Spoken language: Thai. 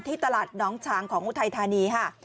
ที่ตลาดน้องชางของอุทัยธานีฮะ